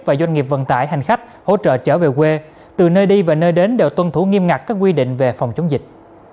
và doanh nghiệp vận tải hành khách hỗ trợ trở về quê từ nơi đi và nơi đến đều tuân thủ nghiêm ngặt các quy định về phòng chống dịch